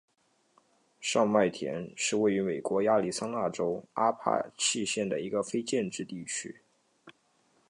上麦田是位于美国亚利桑那州阿帕契县的一个非建制地区。